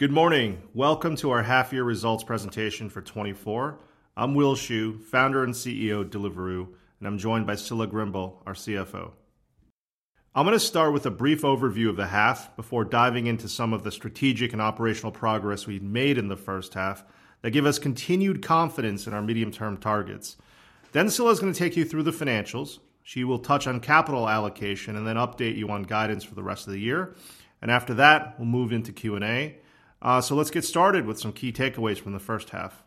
Good morning. Welcome to our half year results presentation for 2024. I'm Will Shu, founder and CEO of Deliveroo, and I'm joined by Scilla Grimble, our CFO. I'm gonna start with a brief overview of the half before diving into some of the strategic and operational progress we've made in the first half that give us continued confidence in our medium-term targets. Then Scilla is gonna take you through the financials. She will touch on capital allocation and then update you on guidance for the rest of the year, and after that, we'll move into Q&A. So let's get started with some key takeaways from the first half.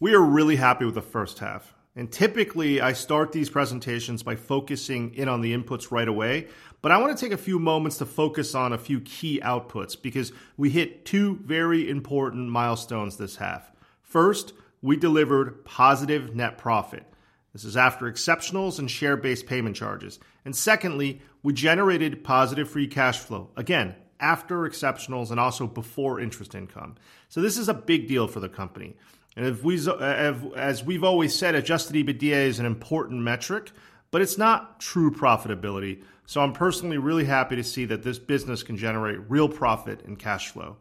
We are really happy with the first half, and typically, I start these presentations by focusing in on the inputs right away, but I wanna take a few moments to focus on a few key outputs because we hit two very important milestones this half. First, we delivered positive net profit. This is after exceptionals and share-based payment charges. And secondly, we generated positive free cash flow, again, after exceptionals and also before interest income. So this is a big deal for the company. And if, as we've always said, adjusted EBITDA is an important metric, but it's not true profitability, so I'm personally really happy to see that this business can generate real profit and cash flow.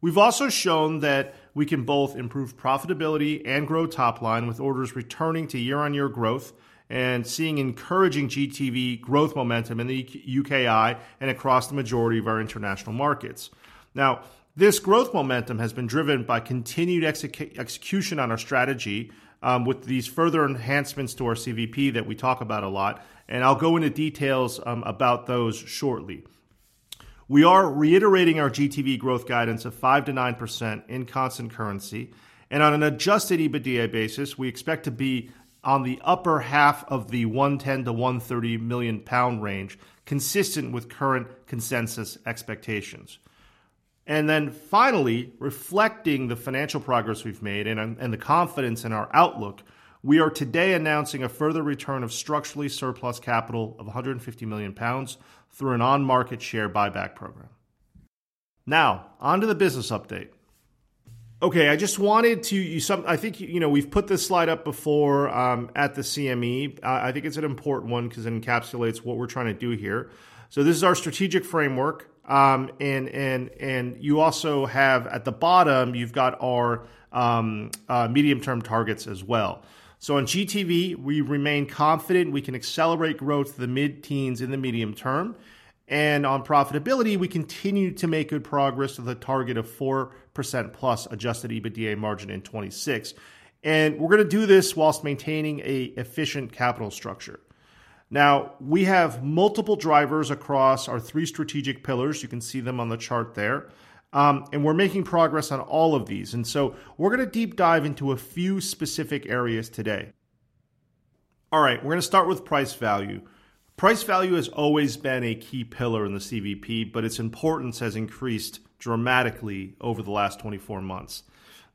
We've also shown that we can both improve profitability and grow top line, with orders returning to year-on-year growth and seeing encouraging GTV growth momentum in the UKI and across the majority of our international markets. Now, this growth momentum has been driven by continued execution on our strategy, with these further enhancements to our CVP that we talk about a lot, and I'll go into details about those shortly. We are reiterating our GTV growth guidance of 5%-9% in constant currency, and on an adjusted EBITDA basis, we expect to be on the upper half of the 110 million-130 million pound range, consistent with current consensus expectations. Then finally, reflecting the financial progress we've made and the confidence in our outlook, we are today announcing a further return of structurally surplus capital of 150 million pounds through an on-market share buyback program. Now, on to the business update. Okay, I just wanted to show you some. I think, you know, we've put this slide up before, at the CMD. I think it's an important one 'cause it encapsulates what we're trying to do here. So this is our strategic framework, and you also have, at the bottom, you've got our medium-term targets as well. So on GTV, we remain confident we can accelerate growth to the mid-teens in the medium term, and on profitability, we continue to make good progress to the target of 4%+ adjusted EBITDA margin in 2026. We're gonna do this while maintaining an efficient capital structure. Now, we have multiple drivers across our three strategic pillars. You can see them on the chart there. And we're making progress on all of these, and so we're gonna deep dive into a few specific areas today. All right, we're gonna start with price value. Price value has always been a key pillar in the CVP, but its importance has increased dramatically over the last 24 months.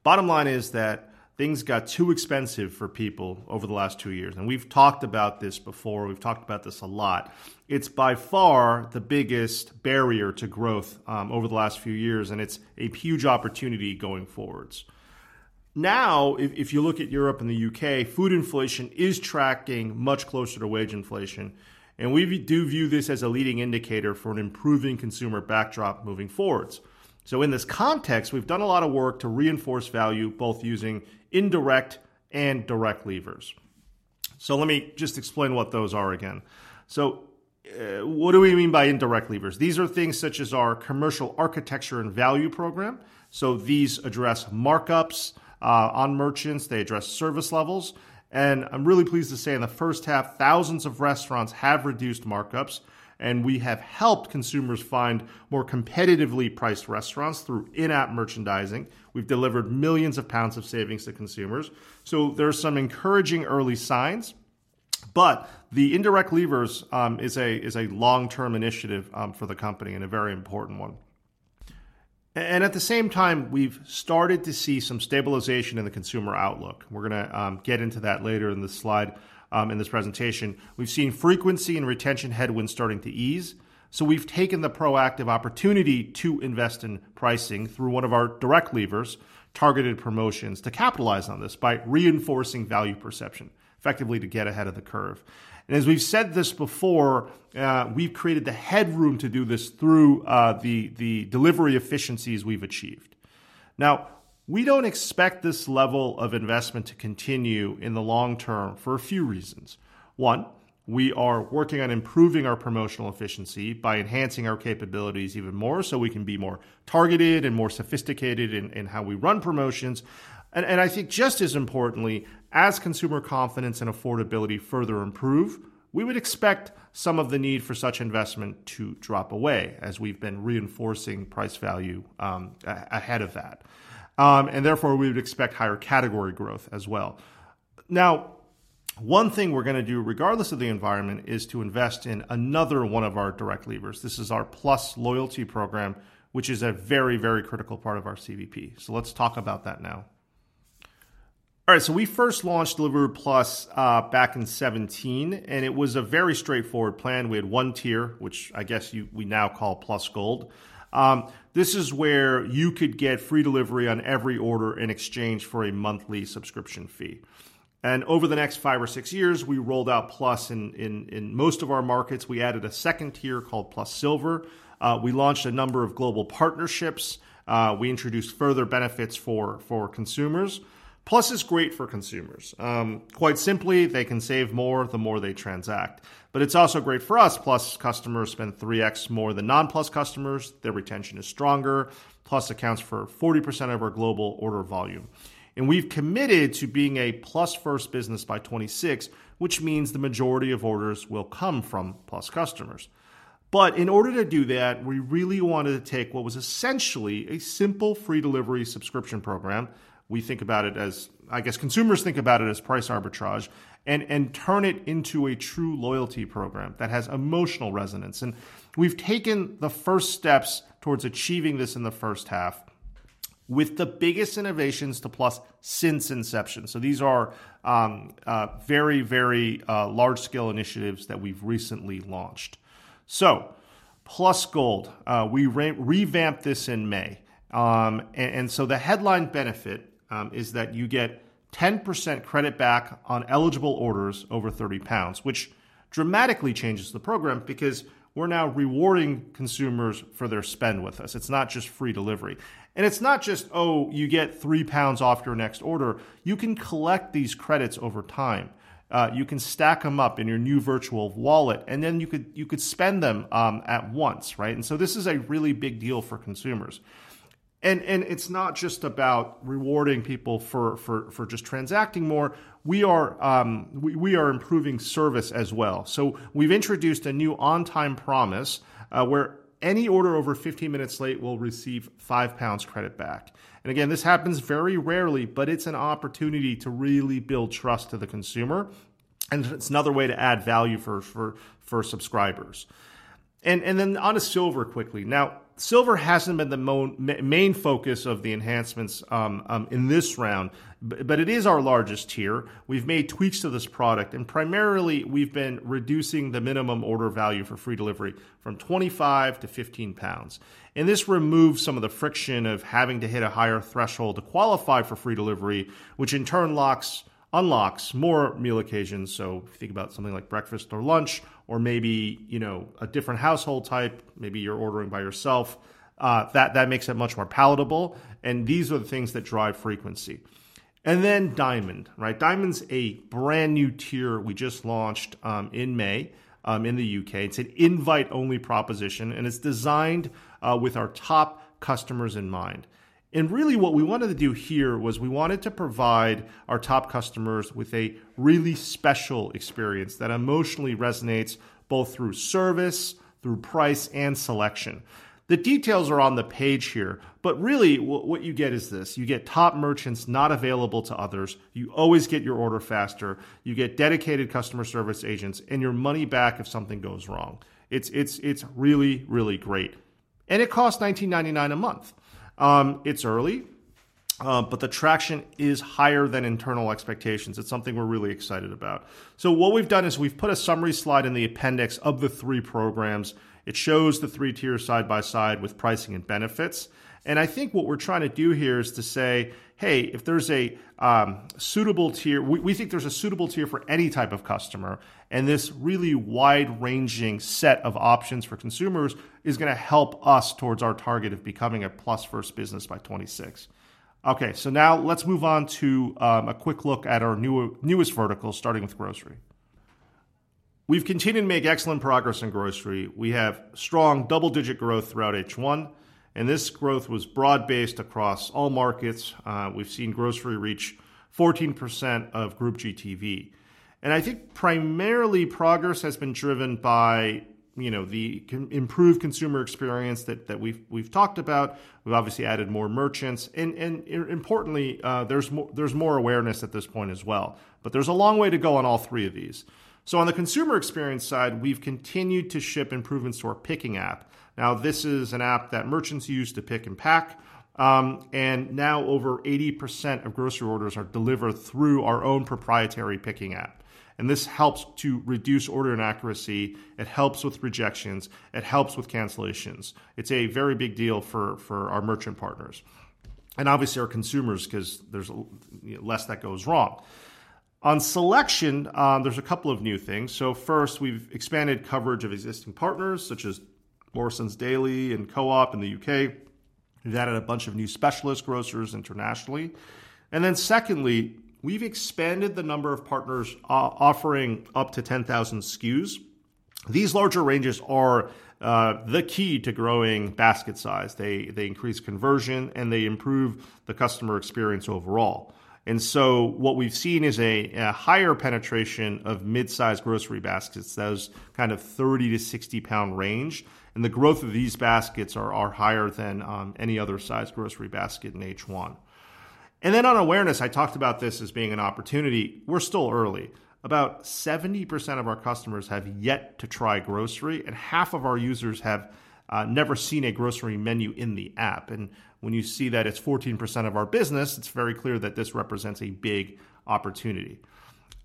Bottom line is that things got too expensive for people over the last 2 years, and we've talked about this before. We've talked about this a lot. It's by far the biggest barrier to growth over the last few years, and it's a huge opportunity going forward. Now, if you look at Europe and the UK, food inflation is tracking much closer to wage inflation, and we do view this as a leading indicator for an improving consumer backdrop moving forwards. So in this context, we've done a lot of work to reinforce value, both using indirect and direct levers. So let me just explain what those are again. So what do we mean by indirect levers? These are things such as our commercial architecture and value program. So these address markups on merchants, they address service levels, and I'm really pleased to say, in the first half, thousands of restaurants have reduced markups, and we have helped consumers find more competitively priced restaurants through in-app merchandising. We've delivered millions of GBP to consumers. So there are some encouraging early signs, but the indirect levers is a long-term initiative for the company and a very important one. And at the same time, we've started to see some stabilization in the consumer outlook. We're gonna get into that later in the slide in this presentation. We've seen frequency and retention headwinds starting to ease, so we've taken the proactive opportunity to invest in pricing through one of our direct levers, targeted promotions, to capitalize on this by reinforcing value perception, effectively to get ahead of the curve. And as we've said this before, we've created the headroom to do this through the delivery efficiencies we've achieved. Now, we don't expect this level of investment to continue in the long term for a few reasons. One, we are working on improving our promotional efficiency by enhancing our capabilities even more, so we can be more targeted and more sophisticated in how we run promotions. And I think just as importantly, as consumer confidence and affordability further improve, we would expect some of the need for such investment to drop away as we've been reinforcing price value ahead of that. And therefore, we would expect higher category growth as well. Now, one thing we're gonna do, regardless of the environment, is to invest in another one of our direct levers. This is our Plus loyalty program, which is a very, very critical part of our CVP. So let's talk about that now.... All right, so we first launched Deliveroo Plus back in 2017, and it was a very straightforward plan. We had one tier, which I guess you - we now call Plus Gold. This is where you could get free delivery on every order in exchange for a monthly subscription fee. Over the next five or six years, we rolled out Plus in most of our markets. We added a second tier called Plus Silver. We launched a number of global partnerships. We introduced further benefits for consumers. Plus is great for consumers. Quite simply, they can save more the more they transact, but it's also great for us. Plus customers spend 3x more than non-Plus customers. Their retention is stronger. Plus accounts for 40% of our global order volume, and we've committed to being a Plus-first business by 2026, which means the majority of orders will come from Plus customers. But in order to do that, we really wanted to take what was essentially a simple free delivery subscription program. We think about it as—I guess, consumers think about it as price arbitrage—and turn it into a true loyalty program that has emotional resonance. We've taken the first steps towards achieving this in the first half with the biggest innovations to Plus since inception. These are very large-scale initiatives that we've recently launched. Plus Gold, we revamped this in May. So the headline benefit is that you get 10% credit back on eligible orders over 30 pounds, which dramatically changes the program because we're now rewarding consumers for their spend with us. It's not just free delivery. It's not just, oh, you get 3 pounds off your next order. You can collect these credits over time. You can stack them up in your new virtual wallet, and then you could spend them at once, right? And so this is a really big deal for consumers. And it's not just about rewarding people for just transacting more. We are improving service as well. So we've introduced a new on-time promise, where any order over 15 minutes late will receive 5 pounds credit back. And again, this happens very rarely, but it's an opportunity to really build trust to the consumer, and it's another way to add value for subscribers. And then onto Silver quickly. Now, Silver hasn't been the main focus of the enhancements in this round, but it is our largest tier. We've made tweaks to this product, and primarily, we've been reducing the minimum order value for free delivery from 25 to 15 pounds, and this removes some of the friction of having to hit a higher threshold to qualify for free delivery, which in turn unlocks more meal occasions. So if you think about something like breakfast or lunch or maybe, you know, a different household type, maybe you're ordering by yourself, that makes it much more palatable, and these are the things that drive frequency. And then Diamond, right? Diamond's a brand-new tier we just launched in May in the UK. It's an invite-only proposition, and it's designed with our top customers in mind. And really, what we wanted to do here was we wanted to provide our top customers with a really special experience that emotionally resonates both through service, through price, and selection. The details are on the page here, but really, what you get is this: you get top merchants not available to others, you always get your order faster, you get dedicated customer service agents, and your money back if something goes wrong. It's, it's, it's really, really great, and it costs 19.99 a month. It's early, but the traction is higher than internal expectations. It's something we're really excited about. So what we've done is we've put a summary slide in the appendix of the three programs. It shows the three tiers side by side with pricing and benefits, and I think what we're trying to do here is to say, "Hey, if there's a suitable tier..." We think there's a suitable tier for any type of customer, and this really wide-ranging set of options for consumers is gonna help us towards our target of becoming a Plus-first business by 2026. Okay, so now let's move on to a quick look at our newest vertical, starting with grocery. We've continued to make excellent progress in grocery. We have strong double-digit growth throughout H1, and this growth was broad-based across all markets. We've seen grocery reach 14% of Group GTV, and I think primarily progress has been driven by, you know, the improved consumer experience that we've talked about. We've obviously added more merchants, and importantly, there's more awareness at this point as well, but there's a long way to go on all three of these. So on the consumer experience side, we've continued to ship improvements to our picking app. Now, this is an app that merchants use to pick and pack, and now over 80% of grocery orders are delivered through our own proprietary picking app, and this helps to reduce order inaccuracy. It helps with rejections. It helps with cancellations. It's a very big deal for our merchant partners and obviously our consumers 'cause there's less that goes wrong. On selection, there's a couple of new things. So first, we've expanded coverage of existing partners, such as Morrisons Daily and Co-op in the UK. We've added a bunch of new specialist grocers internationally. And then secondly, we've expanded the number of partners offering up to 10,000 SKUs. These larger ranges are the key to growing basket size. They increase conversion, and they improve the customer experience overall. And so what we've seen is a higher penetration of mid-sized grocery baskets, those kind of 30-60-pound range, and the growth of these baskets are higher than any other sized grocery basket in H1... And then on awareness, I talked about this as being an opportunity. We're still early. About 70% of our customers have yet to try grocery, and half of our users have never seen a grocery menu in the app. And when you see that it's 14% of our business, it's very clear that this represents a big opportunity.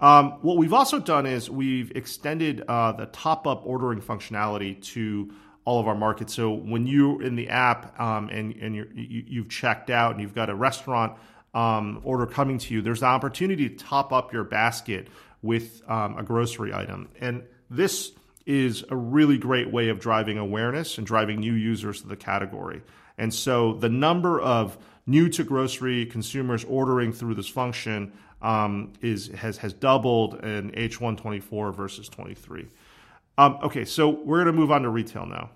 What we've also done is we've extended the top-up ordering functionality to all of our markets. So when you're in the app, and you're—you've checked out, and you've got a restaurant order coming to you, there's an opportunity to top up your basket with a grocery item. And this is a really great way of driving awareness and driving new users to the category. And so the number of new-to-grocery consumers ordering through this function is—has doubled in H1 2024 versus 2023. Okay, so we're going to move on to retail now.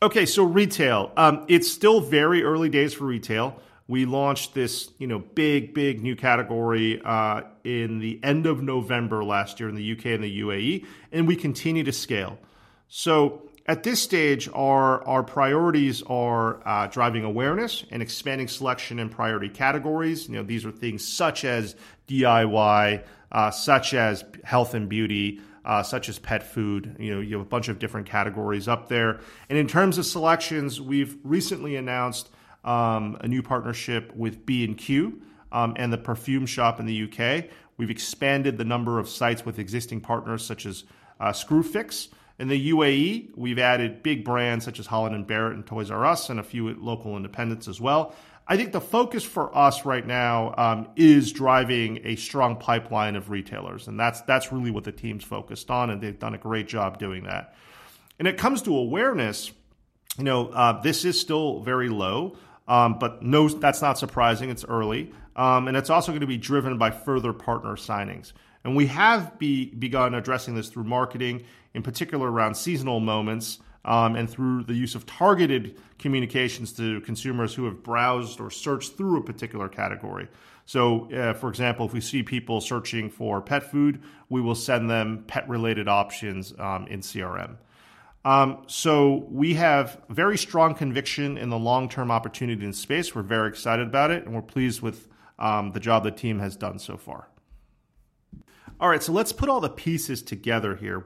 Okay, so retail. It's still very early days for retail. We launched this, you know, big, big new category in the end of November last year in the UK and the UAE, and we continue to scale. At this stage, our priorities are driving awareness and expanding selection in priority categories. You know, these are things such as DIY, such as health and beauty, such as pet food. You know, you have a bunch of different categories up there. In terms of selections, we've recently announced a new partnership with B&Q and The Perfume Shop in the UK. We've expanded the number of sites with existing partners such as Screwfix. In the UAE, we've added big brands such as Holland & Barrett and Toys R Us, and a few local independents as well. I think the focus for us right now is driving a strong pipeline of retailers, and that's really what the team's focused on, and they've done a great job doing that. When it comes to awareness, you know, this is still very low, but no, that's not surprising. It's early. And it's also going to be driven by further partner signings. And we have begun addressing this through marketing, in particular, around seasonal moments, and through the use of targeted communications to consumers who have browsed or searched through a particular category. So, for example, if we see people searching for pet food, we will send them pet-related options in CRM. So we have very strong conviction in the long-term opportunity in space. We're very excited about it, and we're pleased with the job the team has done so far. All right, so let's put all the pieces together here.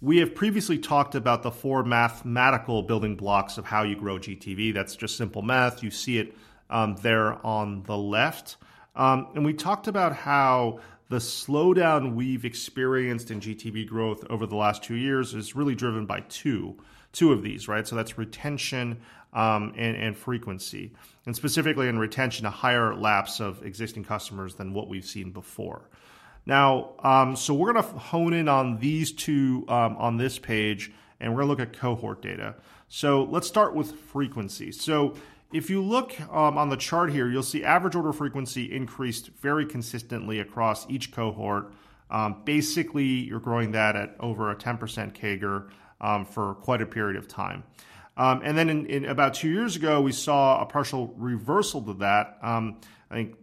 We have previously talked about the four mathematical building blocks of how you grow GTV. That's just simple math. You see it there on the left. And we talked about how the slowdown we've experienced in GTV growth over the last two years is really driven by two, two of these, right? So that's retention and, and frequency, and specifically in retention, a higher lapse of existing customers than what we've seen before. Now, so we're going to hone in on these two on this page, and we're going to look at cohort data. So let's start with frequency. So if you look on the chart here, you'll see average order frequency increased very consistently across each cohort. Basically, you're growing that at over a 10% CAGR for quite a period of time. And then in about two years ago, we saw a partial reversal to that. I think,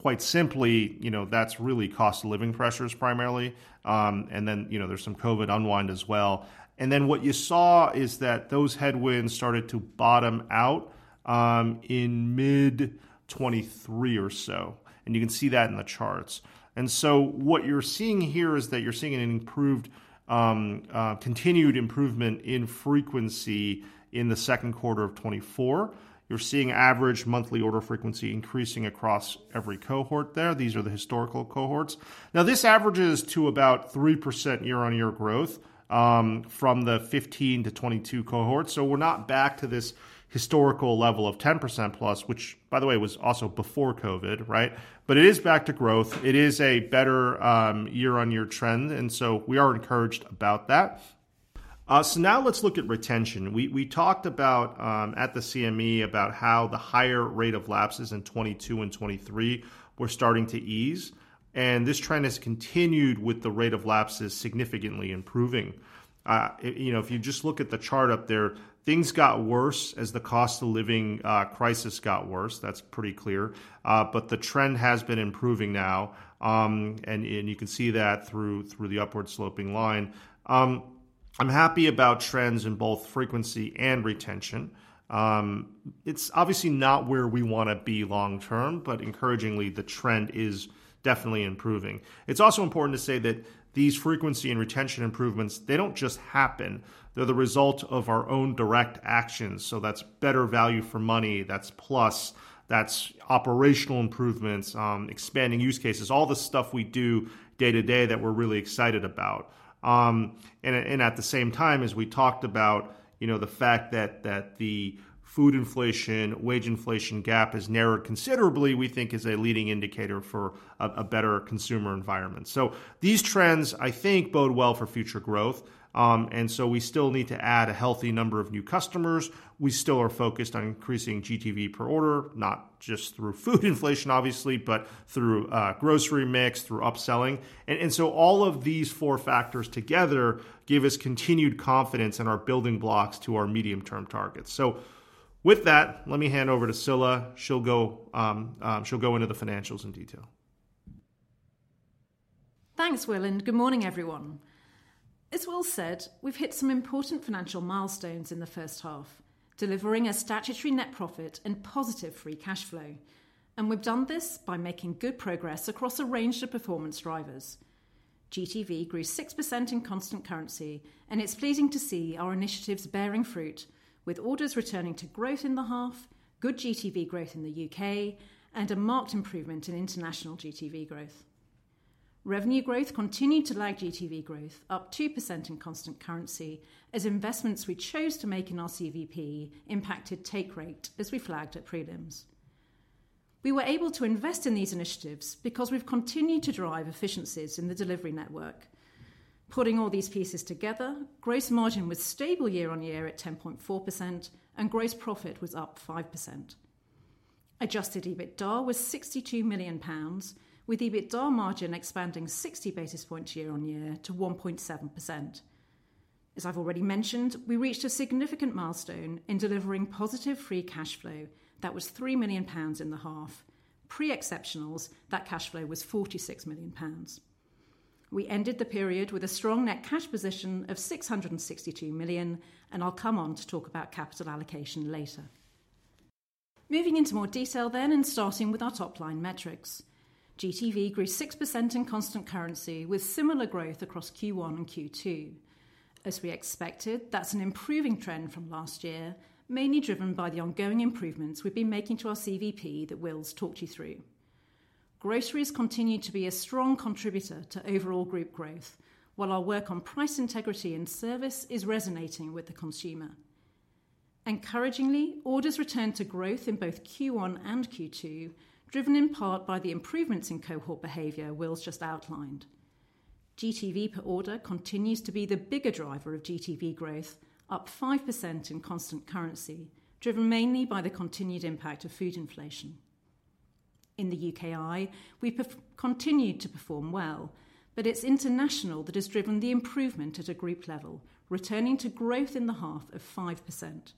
quite simply, you know, that's really cost-of-living pressures, primarily. And then, you know, there's some COVID unwind as well. And then what you saw is that those headwinds started to bottom out, in mid-2023 or so, and you can see that in the charts. And so what you're seeing here is that you're seeing an improved, continued improvement in frequency in the Q2 of 2024. You're seeing average monthly order frequency increasing across every cohort there. These are the historical cohorts. Now, this averages to about 3% year-on-year growth, from the 2015 to 2022 cohorts. So we're not back to this historical level of 10%+, which, by the way, was also before COVID, right? But it is back to growth. It is a better, year-on-year trend, and so we are encouraged about that. So now let's look at retention. We talked about at the CMD about how the higher rate of lapses in 2022 and 2023 were starting to ease, and this trend has continued with the rate of lapses significantly improving. You know, if you just look at the chart up there, things got worse as the cost-of-living crisis got worse. That's pretty clear. But the trend has been improving now, and you can see that through the upward-sloping line. I'm happy about trends in both frequency and retention. It's obviously not where we want to be long term, but encouragingly, the trend is definitely improving. It's also important to say that these frequency and retention improvements, they don't just happen. They're the result of our own direct actions, so that's better value for money, that's Plus, that's operational improvements, expanding use cases, all the stuff we do day-to-day that we're really excited about. And, and at the same time, as we talked about, you know, the fact that, that the food inflation, wage inflation gap has narrowed considerably, we think is a leading indicator for a, a better consumer environment. So these trends, I think, bode well for future growth. And so we still need to add a healthy number of new customers. We still are focused on increasing GTV per order, not just through food inflation, obviously, but through, grocery mix, through upselling. And, and so all of these four factors together give us continued confidence in our building blocks to our medium-term targets. So with that, let me hand over to Scilla. She'll go into the financials in detail. Thanks, Will, and good morning, everyone. As Will said, we've hit some important financial milestones in the first half, delivering a statutory net profit and positive free cash flow. We've done this by making good progress across a range of performance drivers. GTV grew 6% in constant currency, and it's pleasing to see our initiatives bearing fruit, with orders returning to growth in the half, good GTV growth in the UK, and a marked improvement in international GTV growth. Revenue growth continued to lag GTV growth, up 2% in constant currency, as investments we chose to make in our CVP impacted take rate, as we flagged at prelims. We were able to invest in these initiatives because we've continued to drive efficiencies in the delivery network. Putting all these pieces together, gross margin was stable year-on-year at 10.4%, and gross profit was up 5%. Adjusted EBITDA was 62 million pounds, with EBITDA margin expanding 60 basis points year-on-year to 1.7%. As I've already mentioned, we reached a significant milestone in delivering positive free cash flow that was 3 million pounds in the half. Pre-exceptionals, that cash flow was 46 million pounds. We ended the period with a strong net cash position of 662 million, and I'll come on to talk about capital allocation later. Moving into more detail then, and starting with our top-line metrics. GTV grew 6% in constant currency, with similar growth across Q1 and Q2. As we expected, that's an improving trend from last year, mainly driven by the ongoing improvements we've been making to our CVP that Will's talked you through. Groceries continued to be a strong contributor to overall group growth, while our work on price integrity and service is resonating with the consumer. Encouragingly, orders returned to growth in both Q1 and Q2, driven in part by the improvements in cohort behavior Will's just outlined. GTV per order continues to be the bigger driver of GTV growth, up 5% in constant currency, driven mainly by the continued impact of food inflation. In the UKI, we continued to perform well, but it's international that has driven the improvement at a group level, returning to growth in the half of 5%.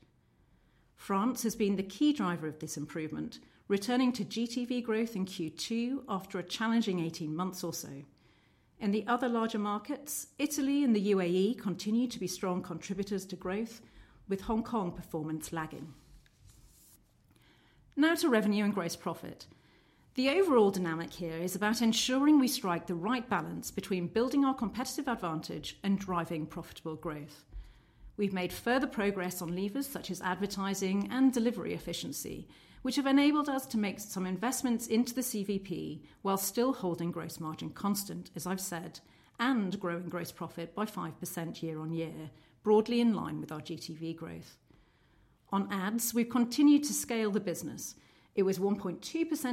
France has been the key driver of this improvement, returning to GTV growth in Q2 after a challenging 18 months or so. In the other larger markets, Italy and the UAE continue to be strong contributors to growth, with Hong Kong performance lagging. Now to revenue and gross profit. The overall dynamic here is about ensuring we strike the right balance between building our competitive advantage and driving profitable growth. We've made further progress on levers such as advertising and delivery efficiency, which have enabled us to make some investments into the CVP while still holding gross margin constant, as I've said, and growing gross profit by 5% year-on-year, broadly in line with our GTV growth. On ads, we've continued to scale the business. It was 1.2%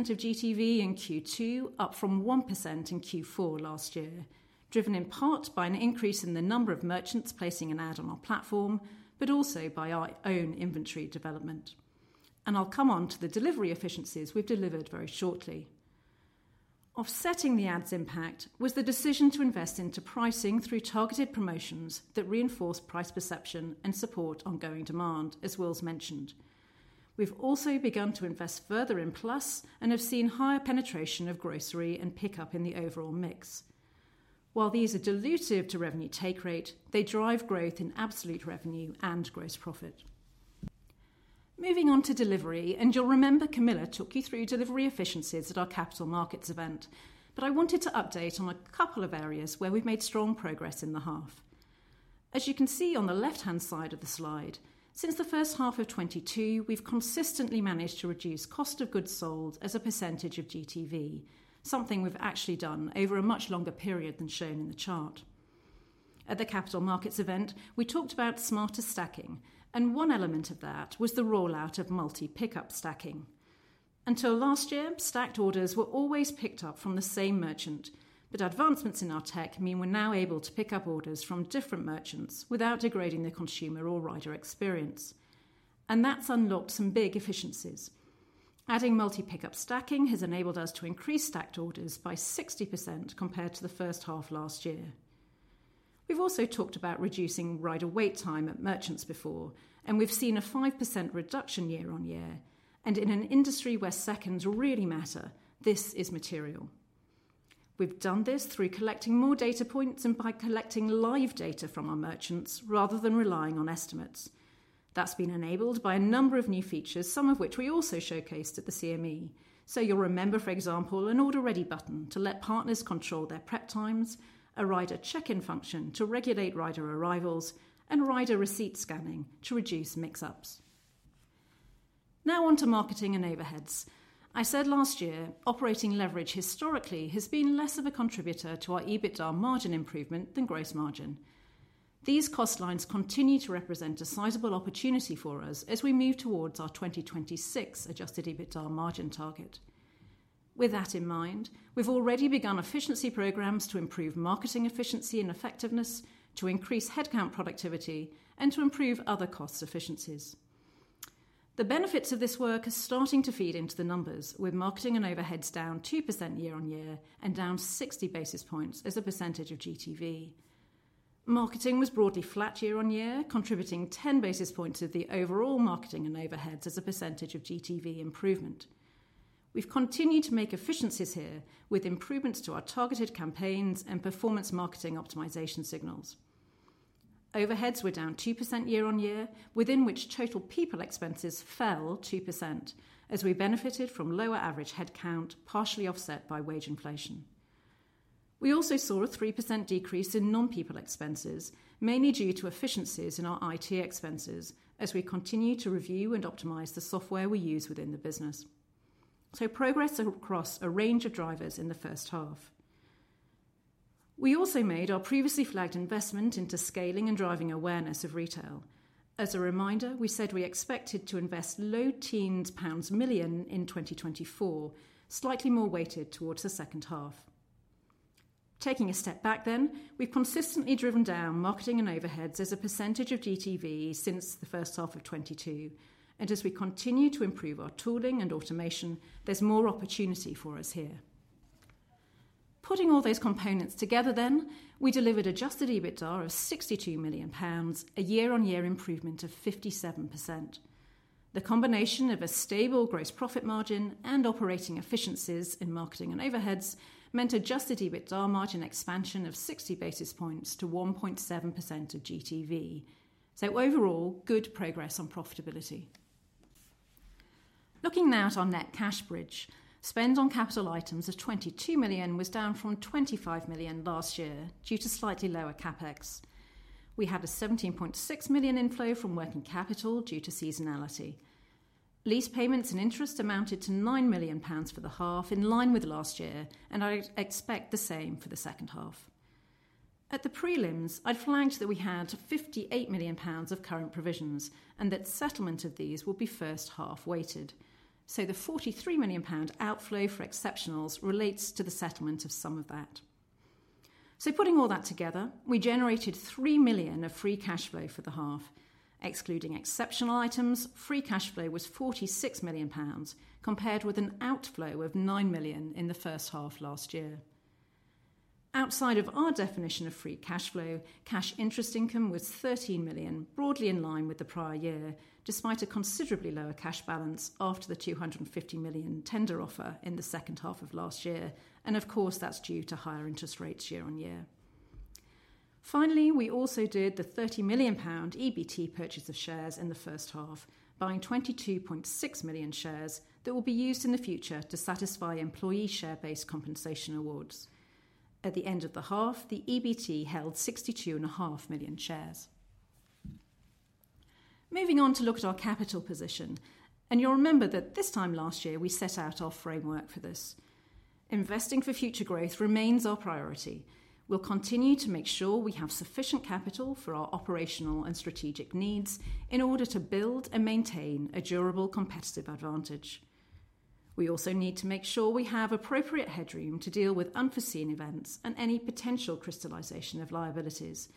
of GTV in Q2, up from 1% in Q4 last year, driven in part by an increase in the number of merchants placing an ad on our platform, but also by our own inventory development. I'll come on to the delivery efficiencies we've delivered very shortly. Offsetting the ads' impact was the decision to invest into pricing through targeted promotions that reinforce price perception and support ongoing demand, as Will's mentioned. We've also begun to invest further in Plus and have seen higher penetration of grocery and pickup in the overall mix. While these are dilutive to revenue take rate, they drive growth in absolute revenue and gross profit. Moving on to delivery, and you'll remember Camilla took you through delivery efficiencies at our capital markets event. But I wanted to update on a couple of areas where we've made strong progress in the half. As you can see on the left-hand side of the slide, since the first half of 2022, we've consistently managed to reduce cost of goods sold as a percentage of GTV, something we've actually done over a much longer period than shown in the chart. At the capital markets event, we talked about smarter stacking, and one element of that was the rollout of multi-pickup stacking. Until last year, stacked orders were always picked up from the same merchant, but advancements in our tech mean we're now able to pick up orders from different merchants without degrading the consumer or rider experience. And that's unlocked some big efficiencies. Adding multi-pickup stacking has enabled us to increase stacked orders by 60% compared to the first half last year. We've also talked about reducing rider wait time at merchants before, and we've seen a 5% reduction year-on-year. And in an industry where seconds really matter, this is material. We've done this through collecting more data points and by collecting live data from our merchants rather than relying on estimates. That's been enabled by a number of new features, some of which we also showcased at the CMD. So you'll remember, for example, an order-ready button to let partners control their prep times, a rider check-in function to regulate rider arrivals, and rider receipt scanning to reduce mix-ups. Now on to marketing and overheads. I said last year, operating leverage historically has been less of a contributor to our EBITDA margin improvement than gross margin. These cost lines continue to represent a sizable opportunity for us as we move towards our 2026 adjusted EBITDA margin target. With that in mind, we've already begun efficiency programs to improve marketing efficiency and effectiveness, to increase headcount productivity, and to improve other cost efficiencies. The benefits of this work are starting to feed into the numbers, with marketing and overheads down 2% year-over-year and down 60 basis points as a percentage of GTV. Marketing was broadly flat year-over-year, contributing 10 basis points of the overall marketing and overheads as a percentage of GTV improvement. We've continued to make efficiencies here, with improvements to our targeted campaigns and performance marketing optimization signals. Overheads were down 2% year-over-year, within which total people expenses fell 2%, as we benefited from lower average headcount, partially offset by wage inflation. We also saw a 3% decrease in non-people expenses, mainly due to efficiencies in our IT expenses as we continue to review and optimize the software we use within the business. So progress across a range of drivers in the first half. We also made our previously flagged investment into scaling and driving awareness of retail. As a reminder, we said we expected to invest low teens million GBP in 2024, slightly more weighted towards the second half. Taking a step back then, we've consistently driven down marketing and overheads as a percentage of GTV since the first half of 2022, and as we continue to improve our tooling and automation, there's more opportunity for us here. Putting all those components together then, we delivered adjusted EBITDA of 62 million pounds, a year-on-year improvement of 57%. The combination of a stable gross profit margin and operating efficiencies in marketing and overheads meant adjusted EBITDA margin expansion of 60 basis points to 1.7% of GTV. So overall, good progress on profitability. Looking now at our net cash bridge, spend on capital items of 22 million was down from 25 million last year due to slightly lower CapEx. We had a 17.6 million inflow from working capital due to seasonality. Lease payments and interest amounted to 9 million pounds for the half, in line with last year, and I expect the same for the second half. At the prelims, I'd flagged that we had 58 million pounds of current provisions and that settlement of these will be first half weighted. So the 43 million pound outflow for exceptionals relates to the settlement of some of that. So putting all that together, we generated 3 million of free cash flow for the half. Excluding exceptional items, free cash flow was 46 million pounds, compared with an outflow of 9 million in the first half last year. Outside of our definition of free cash flow, cash interest income was 13 million, broadly in line with the prior year, despite a considerably lower cash balance after the 250 million tender offer in the second half of last year. And of course, that's due to higher interest rates year-on-year. Finally, we also did the 30 million pound EBT purchase of shares in the first half, buying 22.6 million shares that will be used in the future to satisfy employee share-based compensation awards. At the end of the half, the EBT held 62.5 million shares. Moving on to look at our capital position, and you'll remember that this time last year, we set out our framework for this. Investing for future growth remains our priority. We'll continue to make sure we have sufficient capital for our operational and strategic needs in order to build and maintain a durable competitive advantage. We also need to make sure we have appropriate headroom to deal with unforeseen events and any potential crystallization of liabilities,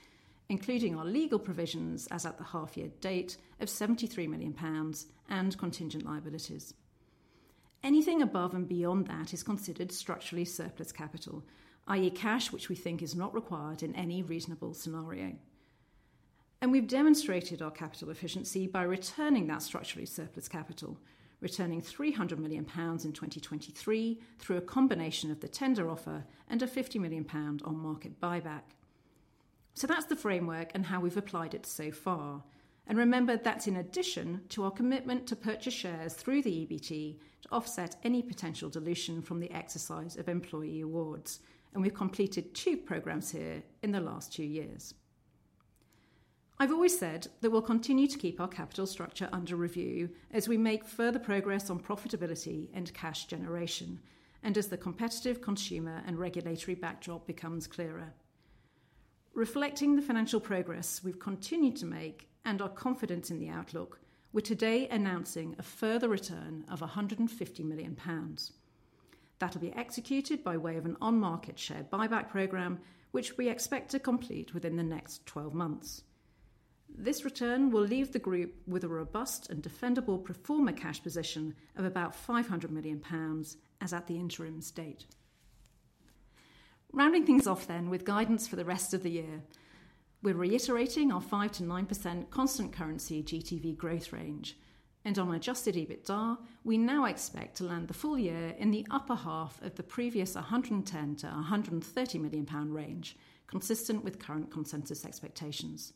including our legal provisions as at the half year date of 73 million pounds and contingent liabilities. Anything above and beyond that is considered structurally surplus capital, i.e., cash, which we think is not required in any reasonable scenario. And we've demonstrated our capital efficiency by returning that structurally surplus capital, returning 300 million pounds in 2023 through a combination of the tender offer and a 50 million pound on-market buyback. So that's the framework and how we've applied it so far. And remember, that's in addition to our commitment to purchase shares through the EBT to offset any potential dilution from the exercise of employee awards. We've completed two programs here in the last two years. I've always said that we'll continue to keep our capital structure under review as we make further progress on profitability and cash generation and as the competitive consumer and regulatory backdrop becomes clearer. Reflecting the financial progress we've continued to make and our confidence in the outlook, we're today announcing a further return of 150 million pounds. That'll be executed by way of an on-market share buyback program, which we expect to complete within the next 12 months. This return will leave the group with a robust and defendable pro forma cash position of about 500 million pounds, as at the interim state. Rounding things off then with guidance for the rest of the year. We're reiterating our 5%-9% constant currency GTV growth range. On adjusted EBITDA, we now expect to land the full year in the upper half of the previous 110 million-130 million pound range, consistent with current consensus expectations.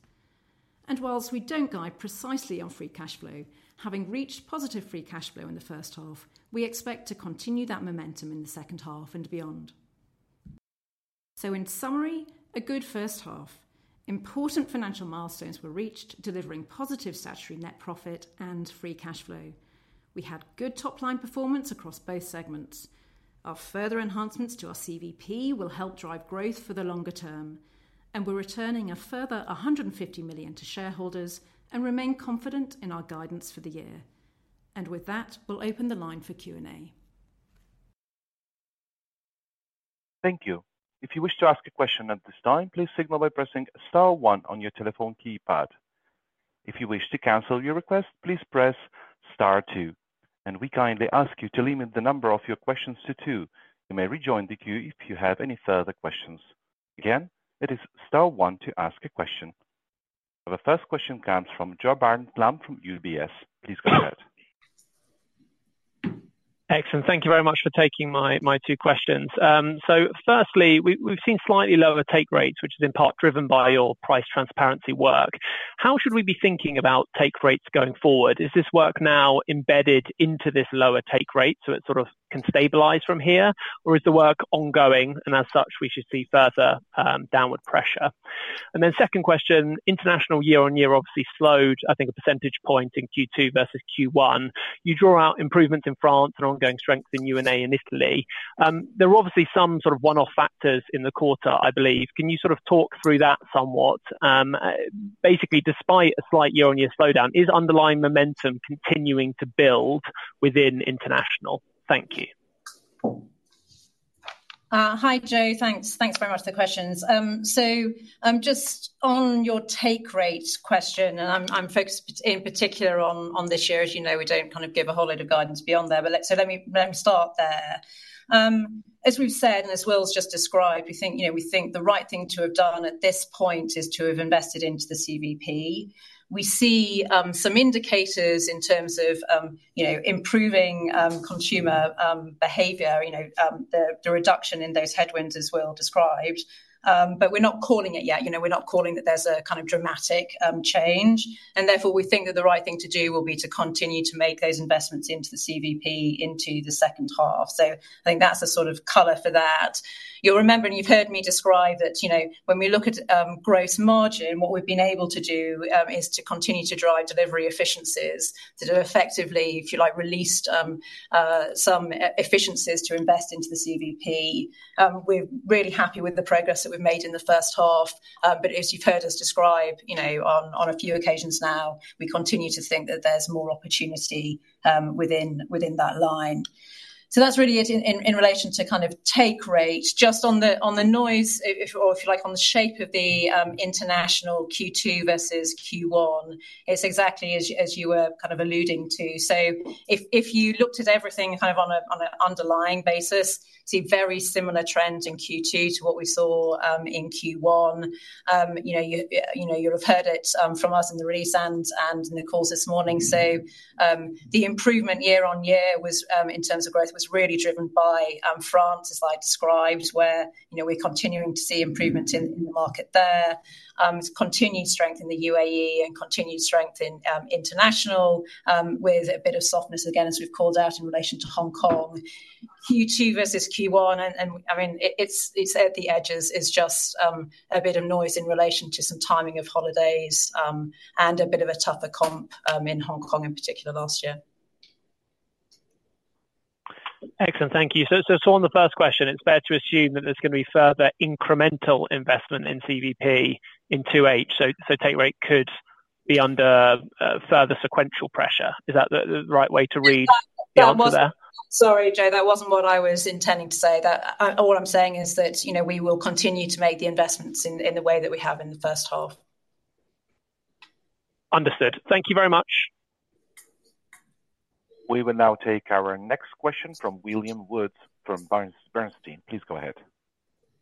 Whilst we don't guide precisely on free cash flow, having reached positive free cash flow in the first half, we expect to continue that momentum in the second half and beyond. In summary, a good first half. Important financial milestones were reached, delivering positive statutory net profit and free cash flow. We had good top-line performance across both segments. Our further enhancements to our CVP will help drive growth for the longer term, and we're returning a further 150 million to shareholders and remain confident in our guidance for the year. With that, we'll open the line for Q&A. Thank you. If you wish to ask a question at this time, please signal by pressing star one on your telephone keypad.... If you wish to cancel your request, please press star two, and we kindly ask you to limit the number of your questions to two. You may rejoin the queue if you have any further questions. Again, it is star one to ask a question. The first question comes from Joe Barnet-Lamb from UBS. Please go ahead. Excellent. Thank you very much for taking my two questions. So firstly, we've seen slightly lower take rates, which is in part driven by your price transparency work. How should we be thinking about take rates going forward? Is this work now embedded into this lower take rate, so it sort of can stabilize from here? Or is the work ongoing, and as such, we should see further downward pressure? And then second question, international year-on-year obviously slowed, I think, a percentage point in Q2 versus Q1. You draw out improvements in France and ongoing strength in UA and Italy. There are obviously some sort of one-off factors in the quarter, I believe. Can you sort of talk through that somewhat? Basically, despite a slight year-on-year slowdown, is underlying momentum continuing to build within international? Thank you. Hi, Joe. Thanks. Thanks very much for the questions. So, just on your take rate question, and I'm focused in particular on this year. As you know, we don't kind of give a whole lot of guidance beyond there, but let's so let me start there. As we've said, and as Will's just described, we think, you know, we think the right thing to have done at this point is to have invested into the CVP. We see some indicators in terms of you know, improving consumer behavior, you know, the reduction in those headwinds as Will described. But we're not calling it yet. You know, we're not calling that there's a kind of dramatic change, and therefore, we think that the right thing to do will be to continue to make those investments into the CVP into the second half. So I think that's a sort of color for that. You'll remember, and you've heard me describe that, you know, when we look at growth margin, what we've been able to do is to continue to drive delivery efficiencies that have effectively, if you like, released some efficiencies to invest into the CVP. We're really happy with the progress that we've made in the first half, but as you've heard us describe, you know, on a few occasions now, we continue to think that there's more opportunity within that line. So that's really it in relation to kind of take rate. Just on the noise, if, or if you like, on the shape of the international Q2 versus Q1, it's exactly as you were kind of alluding to. So if you looked at everything kind of on a underlying basis, see very similar trends in Q2 to what we saw in Q1. You know, you know, you have heard it from us in the recent and in the calls this morning. So the improvement year on year was, in terms of growth, was really driven by France, as I described, where, you know, we're continuing to see improvement in the market there. Continued strength in the UAE and continued strength in international, with a bit of softness, again, as we've called out in relation to Hong Kong. Q2 versus Q1, I mean, it's at the edges. It's just a bit of noise in relation to some timing of holidays, and a bit of a tougher comp in Hong Kong in particular last year. Excellent. Thank you. So on the first question, it's fair to assume that there's going to be further incremental investment in CVP in 2H. So take rate could be under further sequential pressure. Is that the right way to read the answer there? Sorry, Joe, that wasn't what I was intending to say. That, all I'm saying is that, you know, we will continue to make the investments in, in the way that we have in the first half. Understood. Thank you very much. We will now take our next question from William Woods from Bernstein. Please go ahead.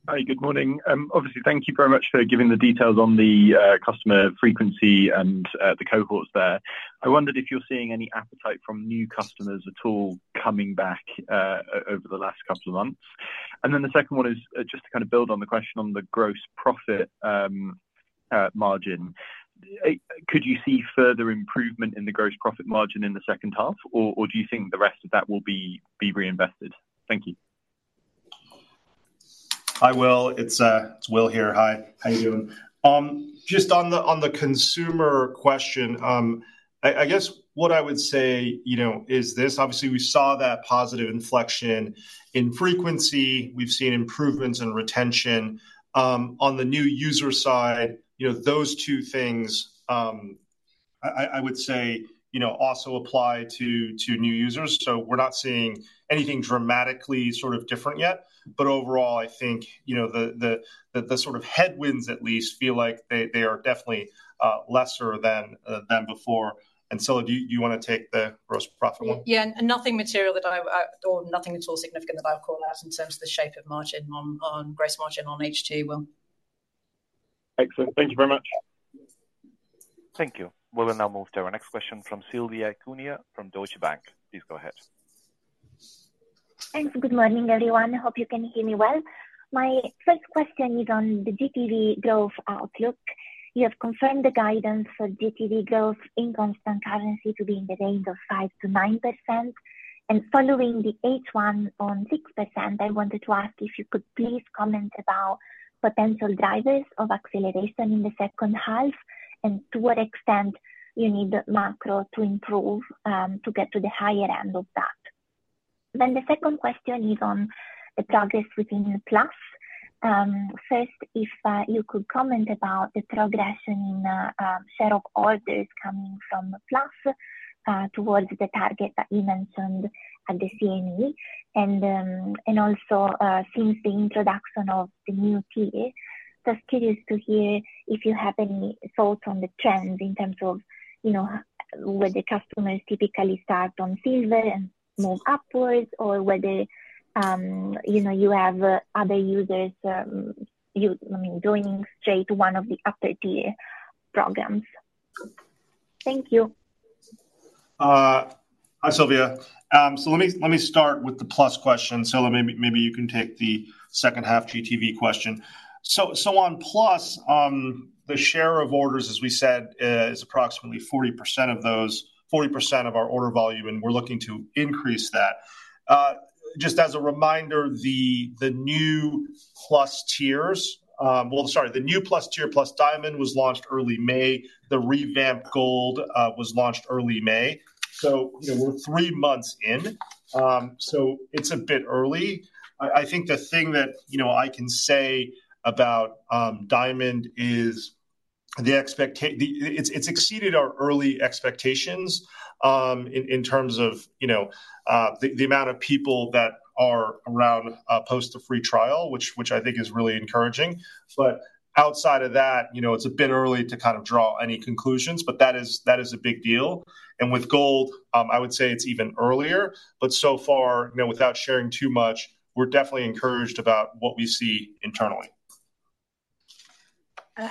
Hi, good morning. Obviously, thank you very much for giving the details on the customer frequency and the cohorts there. I wondered if you're seeing any appetite from new customers at all coming back over the last couple of months. And then the second one is just to kind of build on the question on the gross profit margin. Could you see further improvement in the gross profit margin in the second half, or do you think the rest of that will be reinvested? Thank you. Hi, Will. It's, it's Will here. Hi, how you doing? Just on the consumer question, I guess what I would say, you know, is this: obviously, we saw that positive inflection in frequency. We've seen improvements in retention on the new user side. You know, those two things, I would say, you know, also apply to new users. So we're not seeing anything dramatically sort of different yet. But overall, I think, you know, the sort of headwinds at least feel like they are definitely lesser than before. And so do you want to take the gross profit one? Yeah, and nothing material that I've or nothing at all significant that I would call out in terms of the shape of margin on gross margin on HT, Will. Excellent. Thank you very much. Thank you. We will now move to our next question from Silvia Cuneo from Deutsche Bank. Please go ahead. Thanks. Good morning, everyone. Hope you can hear me well. My first question is on the GTV growth outlook. You have confirmed the guidance for GTV growth in constant currency to be in the range of 5%-9%, and following the H1 on 6%, I wanted to ask if you could please comment about potential drivers of acceleration in the second half, and to what extent you need macro to improve to get to the higher end of that. Then the second question is on the progress within Plus. First, if you could comment about the progression in set of orders plus towards the target that you mentioned at the CMD. Also, since the introduction of the new tier, just curious to hear if you have any thoughts on the trends in terms of, you know, where the customers typically start on silver and move upwards, or whether, you know, you have other users, I mean, joining straight to one of the upper tier programs? Thank you. Hi, Sylvia. So let me start with the plus question, so maybe you can take the second half GTV question. So on plus, the share of orders, as we said, is approximately 40% of those, 40% of our order volume, and we're looking to increase that. Just as a reminder, the new plus tiers, well, sorry, the new plus tier, Plus Diamond, was launched early May. The revamped gold was launched early May. So, you know, we're three months in, so it's a bit early. I think the thing that, you know, I can say about Diamond is it's exceeded our early expectations in terms of, you know, the amount of people that are around post the free trial, which I think is really encouraging. But outside of that, you know, it's a bit early to kind of draw any conclusions, but that is a big deal. And with Gold, I would say it's even earlier, but so far, you know, without sharing too much, we're definitely encouraged about what we see internally.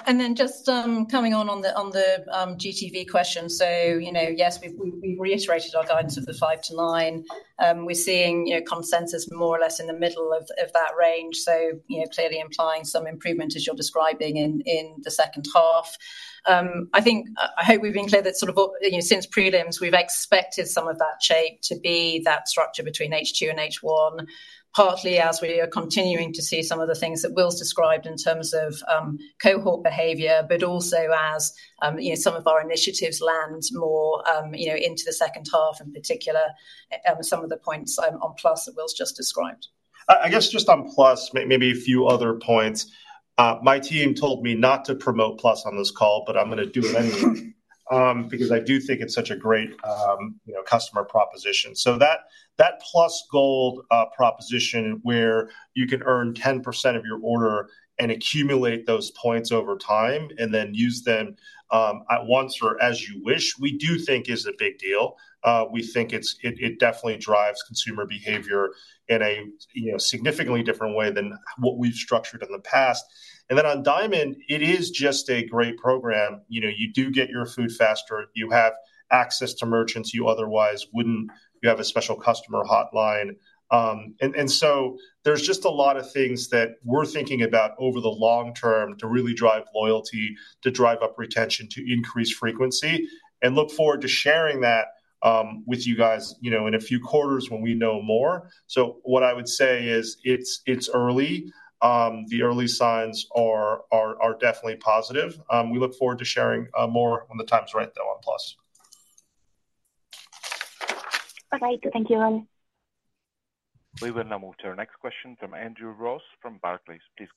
And then just coming on to the GTV question. So, you know, yes, we've reiterated our guidance of the 5-9. We're seeing, you know, consensus more or less in the middle of that range, so, you know, clearly implying some improvement as you're describing in the second half. I think I hope we've been clear that sort of, you know, since prelims, we've expected some of that shape to be that structure between H2 and H1, partly as we are continuing to see some of the things that Will's described in terms of cohort behavior, but also as, you know, some of our initiatives land more, you know, into the second half, in particular, some of the points on Plus that Will's just described. I guess just on Plus, maybe a few other points. My team told me not to promote Plus on this call, but I'm gonna do it anyway, because I do think it's such a great, you know, customer proposition. So that, that Plus Gold, proposition, where you can earn 10% of your order and accumulate those points over time, and then use them, at once or as you wish, we do think is a big deal. We think it's, it, it definitely drives consumer behavior in a, you know, significantly different way than what we've structured in the past. And then on Diamond, it is just a great program. You know, you do get your food faster, you have access to merchants you otherwise wouldn't. You have a special customer hotline. So there's just a lot of things that we're thinking about over the long term to really drive loyalty, to drive up retention, to increase frequency, and look forward to sharing that with you guys, you know, in a few quarters when we know more. So what I would say is, it's early. The early signs are definitely positive. We look forward to sharing more when the time is right, though, on Plus. All right. Thank you, well. We will now move to our next question from Andrew Ross, from Barclays. Please.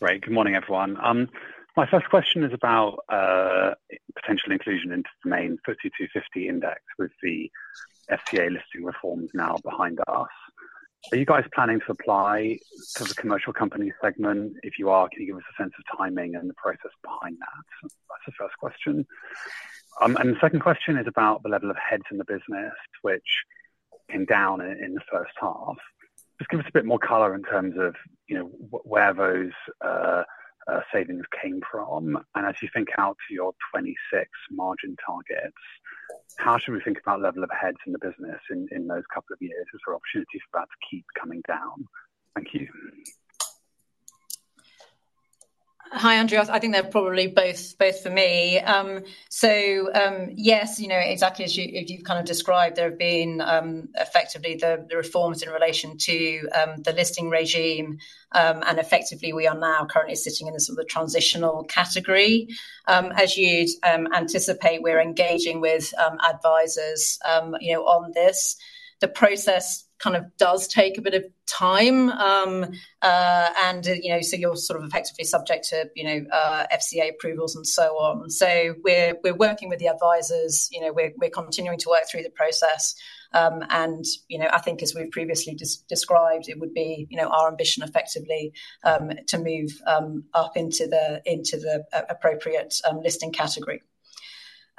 Great. Good morning, everyone. My first question is about potential inclusion into the main FTSE 350 index with the FCA listing reforms now behind us. Are you guys planning to apply to the Commercial Companies segment? If you are, can you give us a sense of timing and the process behind that? That's the first question. And the second question is about the level of overheads in the business, which came down in the first half. Just give us a bit more color in terms of, you know, where those savings came from, and as you think out to your 2026 margin targets, how should we think about level of overheads in the business in those couple of years, as there are opportunities for that to keep coming down? Thank you. Hi, Andrew. I think they're probably both, both for me. So, yes, you know, exactly as you, you've kind of described, there have been effectively the reforms in relation to the listing regime, and effectively we are now currently sitting in the sort of transitional category. As you'd anticipate, we're engaging with advisors, you know, on this. The process kind of does take a bit of time, and, you know, so you're sort of effectively subject to, you know, FCA approvals and so on. So we're working with the advisors, you know, we're continuing to work through the process. And, you know, I think as we've previously described, it would be, you know, our ambition effectively to move up into the appropriate listing category.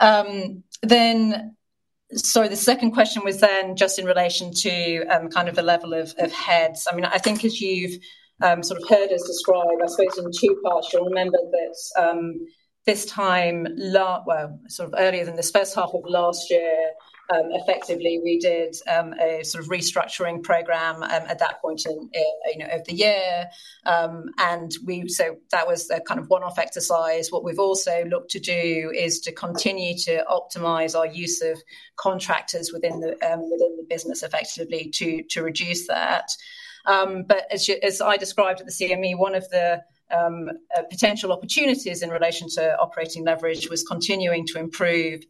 Then, sorry, the second question was then just in relation to, kind of the level of, of heads. I mean, I think as you've sort of heard us describe, I suppose in two parts, you'll remember that, this time, well, sort of earlier than this first half of last year, effectively, we did a sort of restructuring program, at that point in, you know, of the year. And so that was a kind of one-off exercise. What we've also looked to do is to continue to optimize our use of contractors within the, within the business effectively to, to reduce that. But as you, as I described at the CMD, one of the potential opportunities in relation to operating leverage was continuing to improve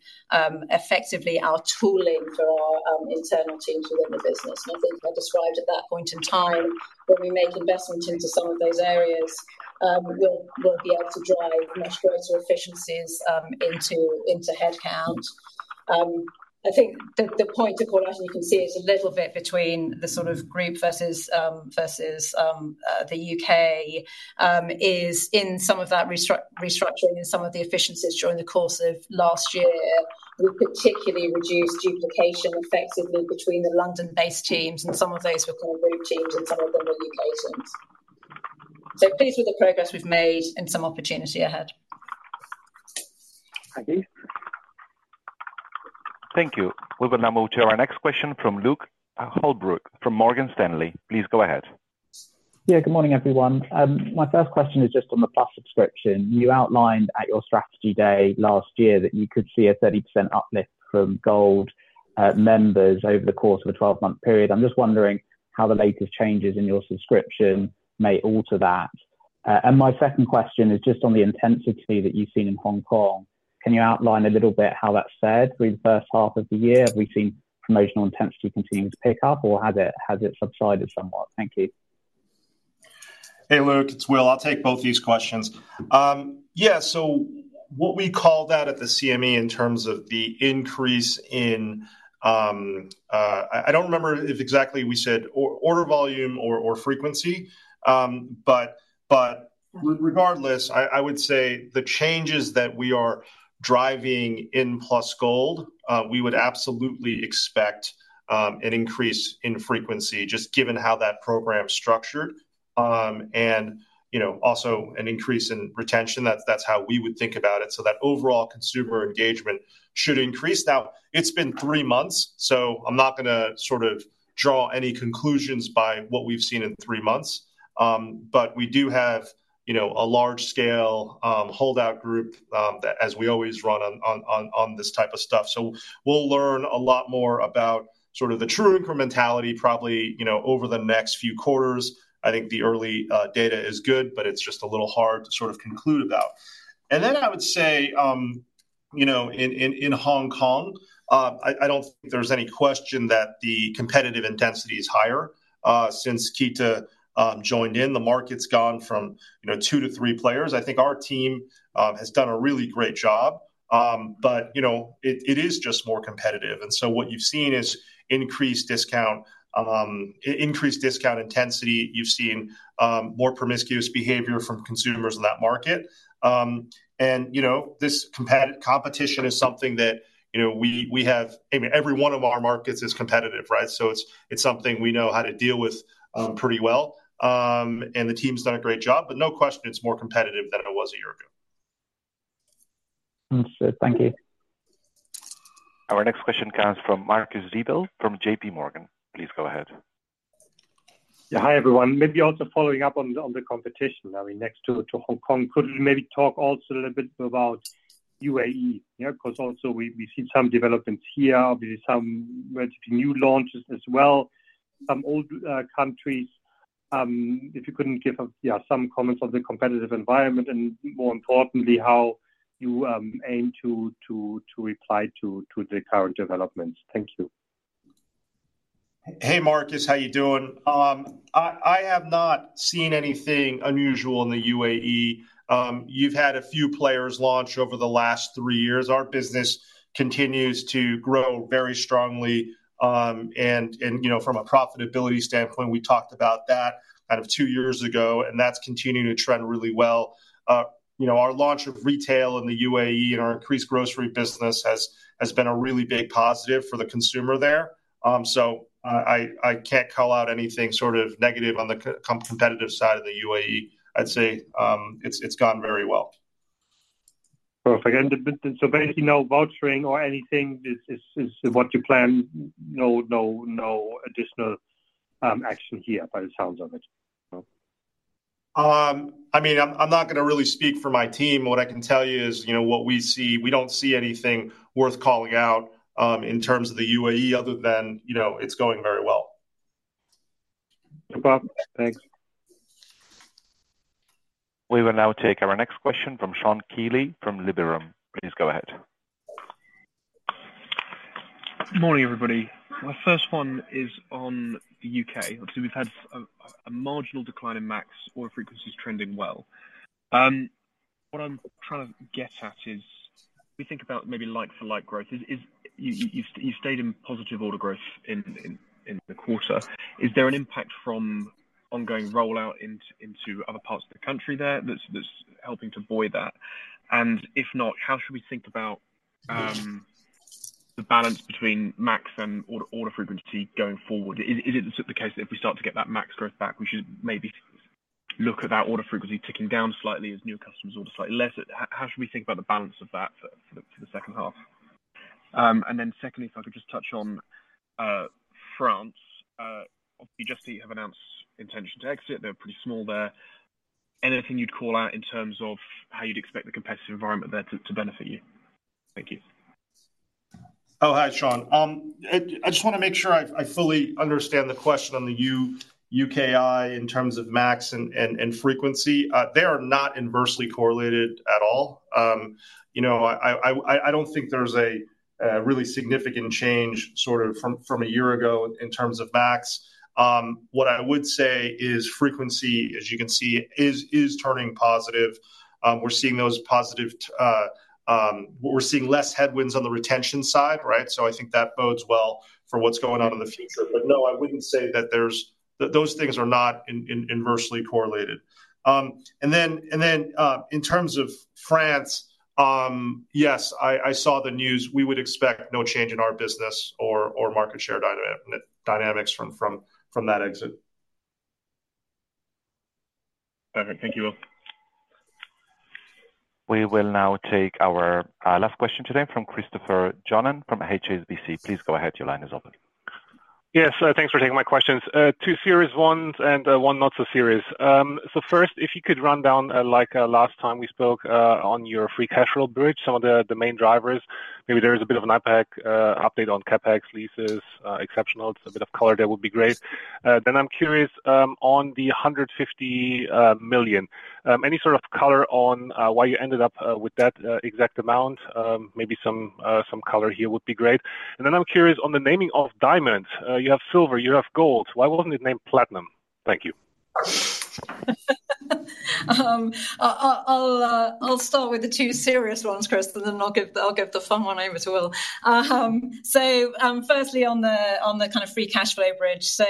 effectively our tooling for our internal teams within the business. And I think I described at that point in time, when we make investments into some of those areas, we'll be able to drive much greater efficiencies into headcount. I think the point of correlation you can see is a little bit between the sort of group versus the UK is in some of that restructuring and some of the efficiencies during the course of last year, we particularly reduced duplication effectively between the London-based teams and some of those were kind of group teams and some of them were locations. So pleased with the progress we've made and some opportunity ahead. Thank you. Thank you. We will now move to our next question from Luke Holbrook, from Morgan Stanley. Please go ahead. Yeah, good morning, everyone. My first question is just on the Plus subscription. You outlined at your strategy day last year that you could see a 30% uplift from Gold members over the course of a 12-month period. I'm just wondering how the latest changes in your subscription may alter that? And my second question is just on the intensity that you've seen in Hong Kong. Can you outline a little bit how that's fared through the first half of the year? Have we seen promotional intensity continuing to pick up, or has it subsided somewhat? Thank you. Hey, Luke, it's Will. I'll take both these questions. Yeah, so what we call that at the CMD in terms of the increase in, I don't remember if exactly we said order volume or frequency, but regardless, I would say the changes that we are driving in Plus Gold, we would absolutely expect an increase in frequency, just given how that program's structured. And, you know, also an increase in retention. That's how we would think about it. So that overall consumer engagement should increase. Now, it's been three months, so I'm not gonna sort of draw any conclusions by what we've seen in three months. But we do have, you know, a large scale holdout group that as we always run on this type of stuff. So we'll learn a lot more about sort of the true incrementality, probably, you know, over the next few quarters. I think the early data is good, but it's just a little hard to sort of conclude about. And then I would say, you know, in Hong Kong, I don't think there's any question that the competitive intensity is higher. Since KeeTa joined in, the market's gone from, you know, two to three players. I think our team has done a really great job. But, you know, it is just more competitive, and so what you've seen is increased discount, increased discount intensity. You've seen more promiscuous behavior from consumers in that market. And, you know, this competition is something that, you know, we, we have... I mean, every one of our markets is competitive, right? So it's something we know how to deal with, pretty well. And the team's done a great job, but no question, it's more competitive than it was a year ago. Understood. Thank you. Our next question comes from Marcus Diebel, from J.P. Morgan. Please go ahead. Yeah. Hi, everyone. Maybe also following up on the competition, I mean, next to Hong Kong, could you maybe talk also a little bit about UAE? You know, 'cause we've seen some developments here, obviously some relatively new launches as well, some old countries. If you could give, yeah, some comments on the competitive environment and more importantly, how you aim to reply to the current developments. Thank you. Hey, Marcus, how you doing? I have not seen anything unusual in the UAE. You've had a few players launch over the last three years. Our business continues to grow very strongly, and you know, from a profitability standpoint, we talked about that kind of two years ago, and that's continuing to trend really well. You know, our launch of retail in the UAE and our increased grocery business has been a really big positive for the consumer there. So I can't call out anything sort of negative on the competitive side of the UAE. I'd say, it's gone very well. Perfect. And so basically, no vouchering or anything is what you plan, no, no, no additional action here, by the sounds of it, so? I mean, I'm not gonna really speak for my team. What I can tell you is, you know, what we see, we don't see anything worth calling out, in terms of the UAE other than, you know, it's going very well. No problem. Thanks. We will now take our next question from Sean Kealy from Liberum. Please go ahead. Good morning, everybody. My first one is on the UK. Obviously, we've had a marginal decline in max order frequencies trending well. What I'm trying to get at is, we think about maybe like for like growth, is you've stayed in positive order growth in the quarter. Is there an impact from ongoing rollout into other parts of the country there that's helping to avoid that? And if not, how should we think about the balance between max and order frequency going forward? Is it the case that if we start to get that max growth back, we should maybe look at that order frequency ticking down slightly as new customers order slightly less? How should we think about the balance of that for the second half? And then secondly, if I could just touch on France. Obviously, Just Eat have announced intention to exit. They're pretty small there. Anything you'd call out in terms of how you'd expect the competitive environment there to benefit you? Thank you. Oh, hi, Sean. I just wanna make sure I fully understand the question on the UKI in terms of max and frequency. They are not inversely correlated at all. You know, I don't think there's a really significant change sort of from a year ago in terms of max. What I would say is frequency, as you can see, is turning positive. We're seeing those positive... We're seeing less headwinds on the retention side, right? So I think that bodes well for what's going on in the future. But no, I wouldn't say that there's-- that those things are not inversely correlated. And then, in terms of France, yes, I saw the news. We would expect no change in our business or market share dynamics from that exit. Perfect. Thank you, Will. We will now take our last question today from Christopher Johnen from HSBC. Please go ahead. Your line is open. Yes, thanks for taking my questions. Two serious ones and one not so serious. So first, if you could run down, like, last time we spoke, on your free cash flow bridge, some of the main drivers. Maybe there is a bit of an impact update on CapEx leases, exceptionals. A bit of color there would be great. Then I'm curious, on the 150 million, any sort of color on, why you ended up with that exact amount? Maybe some color here would be great. And then I'm curious on the naming of Diamond. You have Silver, you have Gold. Why wasn't it named Platinum? Thank you. I'll start with the two serious ones, Christopher, then I'll give the fun one over to Will. So, firstly on the kind of free cash flow bridge. So,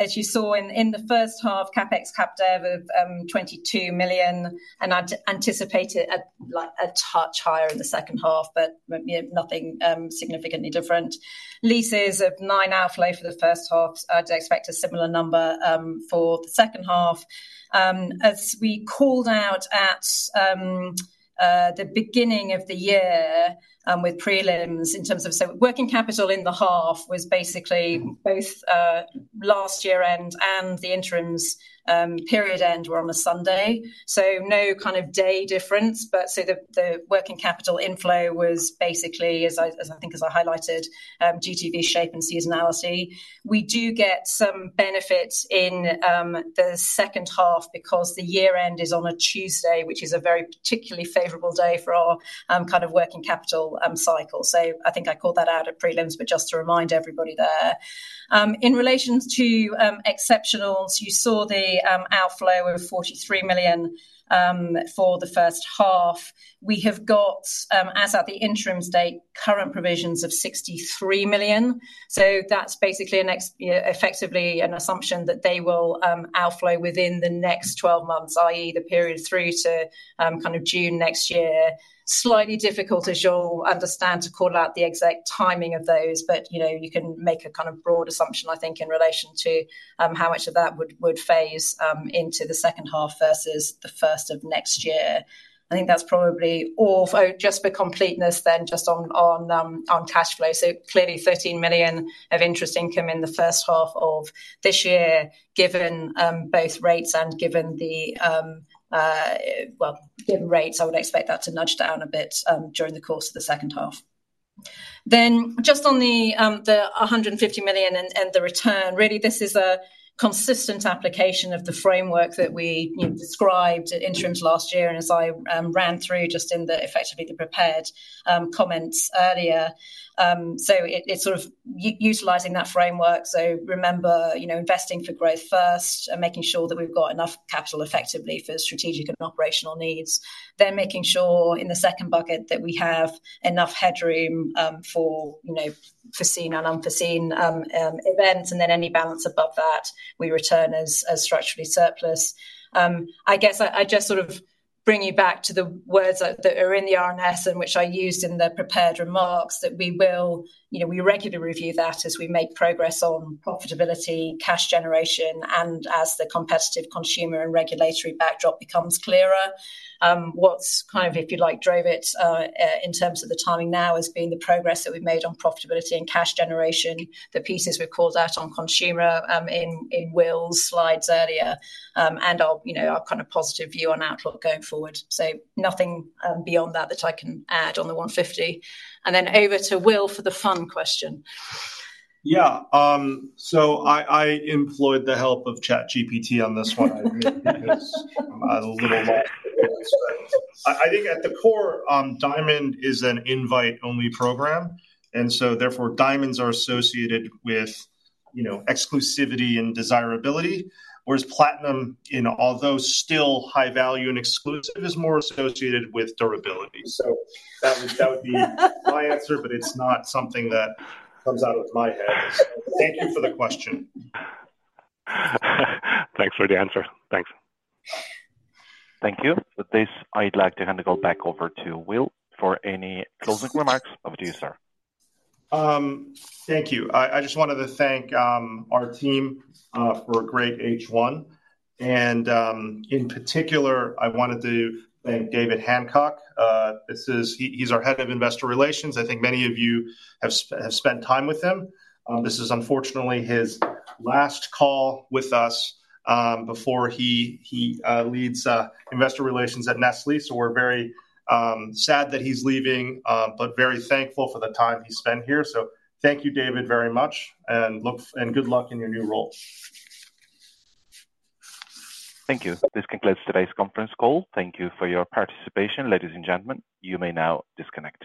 as you saw in the first half, CapEx of 22 million, and I'd anticipate it at, like, a touch higher in the second half, but, you know, nothing significantly different. Leases of 9 million outflow for the first half, I'd expect a similar number for the second half. As we called out at the beginning of the year, with prelims in terms of-- so working capital in the half was basically both, last year-end and the interim's period end were on a Sunday, so no kind of day difference. So the working capital inflow was basically, as I think as I highlighted, due to the shape and seasonality. We do get some benefit in the second half because the year end is on a Tuesday, which is a very particularly favorable day for our kind of working capital cycle. So I think I called that out at prelims, but just to remind everybody there. In relation to exceptionals, you saw the outflow of 43 million for the first half. We have got, as at the interim date, current provisions of 63 million. So that's basically effectively an assumption that they will outflow within the next 12 months, i.e., the period through to kind of June next year. Slightly difficult, as you'll understand, to call out the exact timing of those, but, you know, you can make a kind of broad assumption, I think, in relation to, how much of that would phase into the second half versus the first of next year. I think that's probably... Or just for completeness, then just on cash flow, so clearly 13 million of interest income in the first half of this year, given both rates and given the, well, given rates, I would expect that to nudge down a bit during the course of the second half. Then just on the 150 million and the return, really, this is a consistent application of the framework that we, you know, described at interims last year, and as I ran through just in the, effectively, the prepared comments earlier. So it, it's sort of utilizing that framework. So remember, you know, investing for growth first and making sure that we've got enough capital effectively for strategic and operational needs. Then making sure in the second bucket that we have enough headroom for, you know, foreseen and unforeseen events, and then any balance above that, we return as structurally surplus. I guess I just sort of bring you back to the words that are in the RNS, and which I used in the prepared remarks, that we will... You know, we regularly review that as we make progress on profitability, cash generation, and as the competitive consumer and regulatory backdrop becomes clearer. What's kind of, if you like, drove it in terms of the timing now, has been the progress that we've made on profitability and cash generation, the pieces we've called out on consumer in Will's slides earlier, and our, you know, our kind of positive view on outlook going forward. So nothing beyond that that I can add on the 150. And then over to Will for the fun question. Yeah. So I employed the help of ChatGPT on this one because I was a little late. I think at the core, Diamond is an invite-only program, and so therefore, diamonds are associated with, you know, exclusivity and desirability, whereas platinum, you know, although still high value and exclusive, is more associated with durability. So that would be my answer, but it's not something that comes out of my head. Thank you for the question. Thanks for the answer. Thanks. Thank you. With this, I'd like to hand the call back over to Will for any closing remarks. Over to you, sir. Thank you. I just wanted to thank our team for a great H1, and in particular, I wanted to thank David Hancock. This is. He is our head of investor relations. I think many of you have spent time with him. This is unfortunately his last call with us, before he leads investor relations at Nestlé. So we're very sad that he's leaving, but very thankful for the time he spent here. So thank you, David, very much, and good luck in your new role. Thank you. This concludes today's conference call. Thank you for your participation, ladies and gentlemen. You may now disconnect.